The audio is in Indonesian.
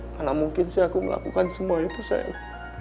mana mungkin sih aku melakukan semua itu sayang